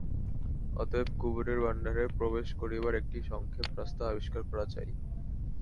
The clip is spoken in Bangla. অতএব কুবেরের ভাণ্ডারে প্রবেশ করিবার একটা সংক্ষেপ রাস্তা আবিষ্কার করা চাই।